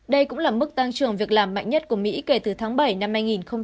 đây cũng là mức tăng trưởng việc làm mạnh nhất của mỹ kể từ tháng bảy năm hai nghìn hai mươi